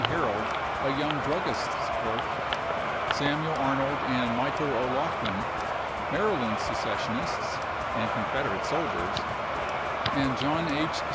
Herold, a young druggist's clerk, Samuel Arnold and Michael O'Laughlin, Maryland secessionists and Confederate soldiers, pp/aSfm and John H.